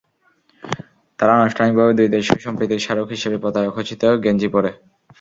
তারা আনুষ্ঠানিকভাবে দুই দেশের সম্প্রীতির স্মারক হিসেবে পতাকা খচিত গেঞ্জি পরে।